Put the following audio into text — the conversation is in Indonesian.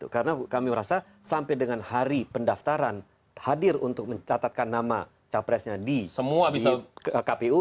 karena kami merasa sampai dengan hari pendaftaran hadir untuk mencatatkan nama capresnya di kpu